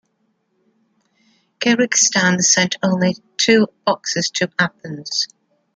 Kyrgyzstan sent only two boxers to Athens.